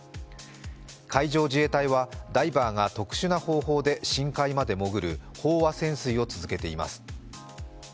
海上自衛隊はダイバーが特殊な方法で深海まで潜る飽和潜水を続けています。